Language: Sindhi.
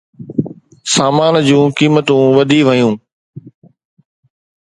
سامان جون قيمتون وڌي ويون